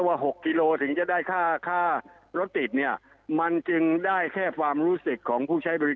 ว่า๖กิโลถึงจะได้ค่ารถติดนี่